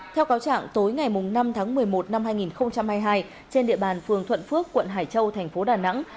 theo cáo trạng tối ngày năm tháng một mươi một năm hai nghìn hai mươi hai trên địa bàn phường thuận phước quận hải châu thành phố đà nẵng